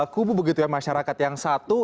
kubu begitu ya masyarakat yang satu